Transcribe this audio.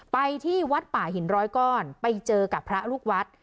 ไปที่วัดป่าหินร้อยก้อนไปเจอกับพระลูกวัด